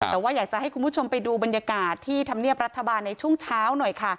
แต่ว่าอยากจะให้คุณผู้ชมไปดูบรรยากาศที่ธรรมเนียบรัฐบาลในช่วงเช้าหน่อยค่ะ